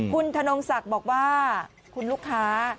คุณธนงศักดิ์บอกว่าคุณลูกค้า